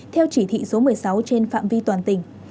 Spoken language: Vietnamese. theo chỉ thị số một mươi sáu trên phạm vi toàn tỉnh